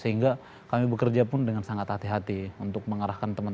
sehingga kami bekerja pun dengan sangat hati hati untuk mengarahkan teman teman